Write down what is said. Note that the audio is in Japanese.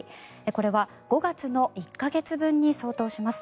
これは５月の１か月分に相当します。